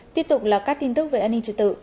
tiếp tục là các tin tức về an ninh trật tự